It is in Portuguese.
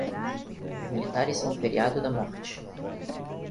Os militares são um feriado da morte.